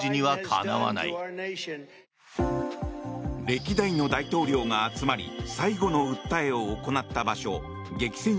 歴代の大統領が集まり最後の訴えを行った場所激戦